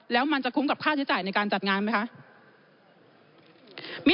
แล้วมันจะคุ้มกับค่าใช้จ่ายในการจัดงานไหมคะ